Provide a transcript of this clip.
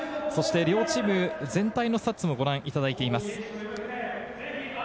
そして両チーム、全体のスタッツもご覧いただいています。